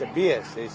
ini adalah bs